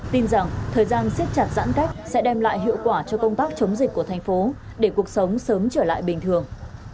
tin rằng thời gian siết chặt giãn cách sẽ đem lại hiệu quả cho công tác chống dịch của thành phố để cuộc sống sớm trở lại bình thường